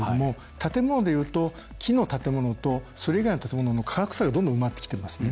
建物でいうと、木の建物とそれ以外の建物の価格差がどんどん埋まってきてますね。